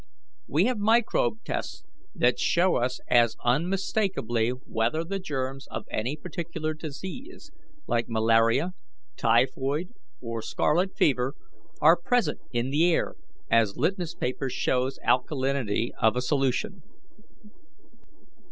"We have microbe tests that show us as unmistakably whether the germs of any particular disease like malaria, typhoid, or scarlet fever are present in the air, as litmus paper shows alkalinity of a solution.